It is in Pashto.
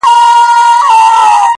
سل دي ومره، يو دي مه مره.